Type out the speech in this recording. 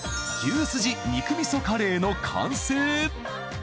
牛すじ肉みそカレーの完成！